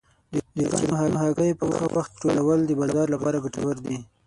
د چرګانو هګۍ په ښه وخت ټولول د بازار لپاره ګټور دي.